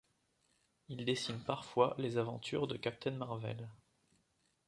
Il dessine parfois les aventures de Captain Marvel.